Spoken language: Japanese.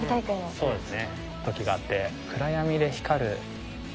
そうですね。